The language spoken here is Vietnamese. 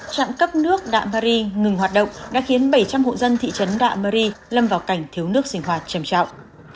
trạm cấp nước đạm rê ngừng hoạt động đã khiến bảy trăm linh hộ dân thị trấn đạm rê lâm vào cảnh thiếu nước sinh hoạt trầm trọng